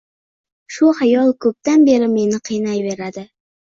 Shu xayol ko’pdan beri meni qiynayveradi.